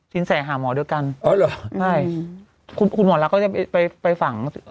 ซีนแสหาหมอเดียวกันใช่คุณหมอลักษมณ์ก็จะไปฝัง